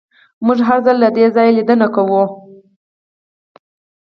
موږ هر ځل له دې ځایه لیدنه کوو